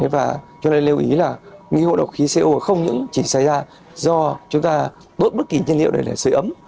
và chúng ta lưu ý là nghi hộ độc khí co không chỉ xảy ra do chúng ta bước bất kỳ nhân liệu để sửa ấm